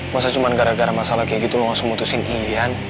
masa cuma gara gara masalah kayak gitu langsung putusin iya